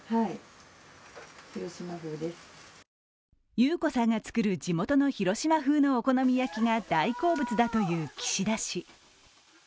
裕子さんが作る地元の広島風のお好み焼きが大好物だという岸田氏。